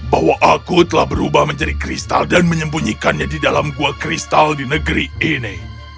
bahwa aku telah berubah menjadi kristal dan menyembunyikannya di dalam gua kristal di negeri ini